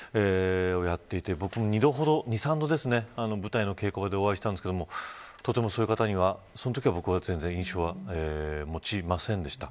それをやっていて、僕も２、３度、舞台の稽古場でお会いしましたがとてもそういう方にはそのとき僕はそういう印象は持ちませんでした。